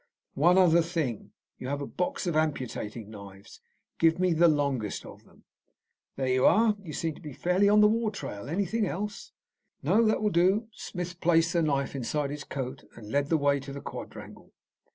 "One other thing. You have a box of amputating knives. Give me the longest of them." "There you are. You seem to be fairly on the war trail. Anything else?" "No; that will do." Smith placed the knife inside his coat, and led the way to the quadrangle.